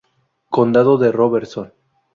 Condado de Robertson